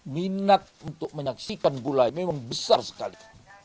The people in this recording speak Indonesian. minat untuk menyaksikan bola ini memang besar sekali